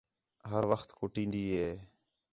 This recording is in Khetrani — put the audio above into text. ہر وخت کُٹین٘دی ہِے